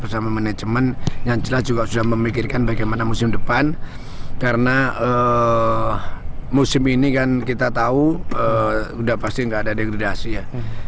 sehingga musim ini kan kita tahu udah pasti gak ada degradasi ya